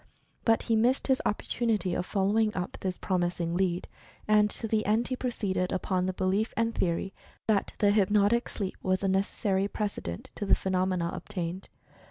But he missed his opportunity of following up this promising lead, and to the end he proceeded upon the belief and theory that the "hypnotic sleep" was a necessary precedent to the phenomena obtained.